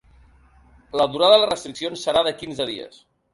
La durada de les restriccions serà de quinze dies.